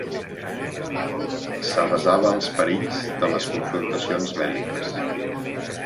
S'avesava als perills de les confrontacions bèl·liques.